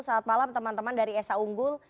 saat malam teman teman dari esa unggul